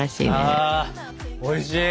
あおいしい。